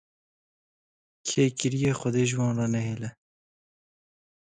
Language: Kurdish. Kê kiriye xwedê ji wan re nehêle